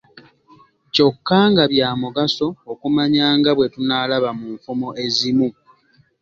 Kyokka nga bya mugaso okumanya nga bwe tunaalaba mu nfumo ezimu.